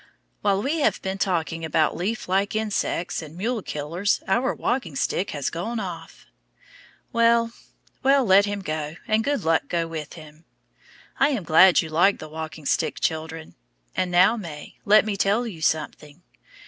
While we have been talking about leaf like insects and mule killers our walking stick has gone off. Well, well, let him go, and good luck go with him. I am glad you like the walking stick, children. And now, May, let me tell you something.